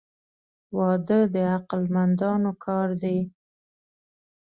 • واده د عقل مندانو کار دی.